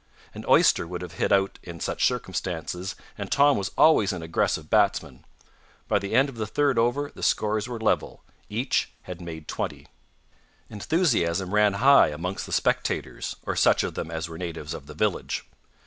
An oyster would have hit out in such circumstances, and Tom was always an aggressive batsman. By the end of the third over the scores were level. Each had made 20. Enthusiasm ran high amongst the spectators, or such of them as were natives of the village.